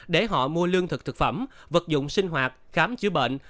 để họ mua lương thực thực phẩm vật dụng sinh hoạt khám chữa bệnh